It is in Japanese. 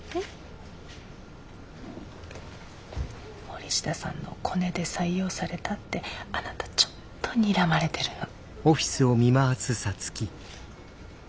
森下さんのコネで採用されたってあなたちょっとにらまれてるの。